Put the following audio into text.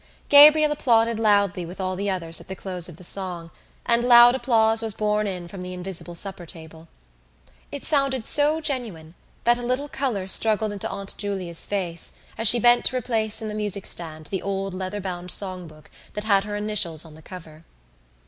Gabriel applauded loudly with all the others at the close of the song and loud applause was borne in from the invisible supper table. It sounded so genuine that a little colour struggled into Aunt Julia's face as she bent to replace in the music stand the old leather bound songbook that had her initials on the cover.